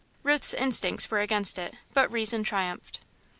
Ruth's instincts were against it, but Reason triumphed.